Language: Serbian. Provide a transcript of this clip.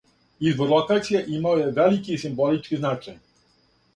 Избор локације имао је велики симболички значај.